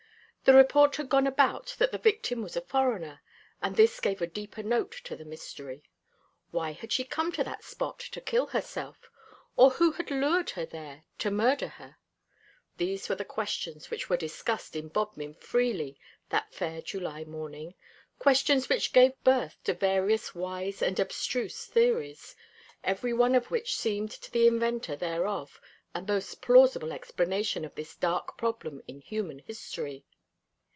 The report had gone about that the victim was a foreigner, and this gave a deeper note to the mystery. Why had she come to that spot to kill herself? or who had lured her there to murder her? These were the questions which were discussed in Bodmin freely that fair July morning; questions which gave birth to various wise and abstruse theories, every one of which seemed to the inventor thereof a most plausible explanation of this dark problem in human history.